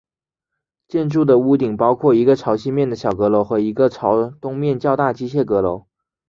建筑的屋顶包括一个朝西面的小阁楼和一个朝东面较大机械阁楼。